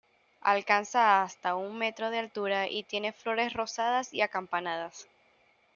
Alcanza hasta un metro de altura y tiene flores rosadas y acampanadas.